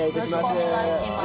よろしくお願いします。